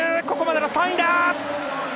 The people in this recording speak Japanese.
ここまでの３位だ！